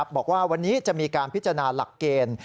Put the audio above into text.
บอกว่าวันนี้จะมีการพิจารณาหลักเกณฑ์